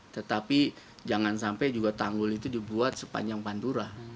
tetapi jangan sampai juga tanggul itu dibuat sepanjang pantura